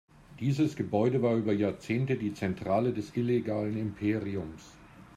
Dieses Gebäude war über Jahrzehnte die Zentrale des illegalen Imperiums.